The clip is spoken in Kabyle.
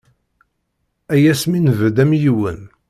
Ay asmi nbedd am yiwen.